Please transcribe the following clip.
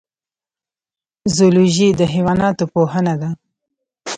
زولوژی د حیواناتو پوهنه ده